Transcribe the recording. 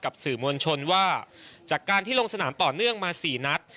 สื่อมวลชนว่าจากการที่ลงสนามต่อเนื่องมา๔นัด